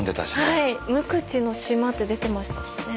はい「六口の島」って出てましたしね。